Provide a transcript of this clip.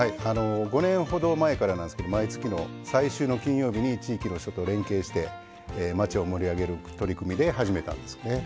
５年ほど前からなんですけど毎月の最終の金曜日に地域の人と連携して街を盛り上げる取り組みで始めたんですよね。